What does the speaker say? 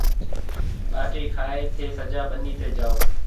ٻاٽِي کائي ٿَي سجا ٻنِي تي جاو